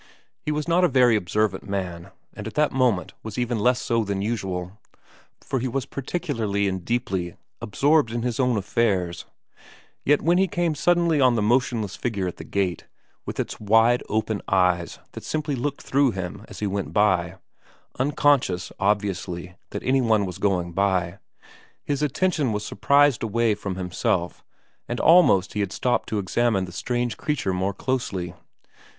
He was not a very observant man, and at that moment was even less so than usual, for he was particularly and deeply absorbed in his own affairs ; yet when he came suddenly on the motionless figure at the gate, with its wide open eyes that simply looked through him as he went by, uncon scious, obviously, that any one was going by, his attention was surprised away from himself and almost he had stopped to examine the strange creature more closely.